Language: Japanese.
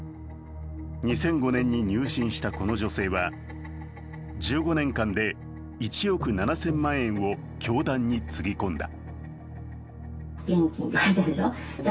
２００５年に入信したこの女性は１５年間で１億７０００万円を教団につぎ込んだ。